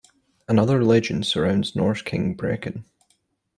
Another legend surrounds Norse king Breacan.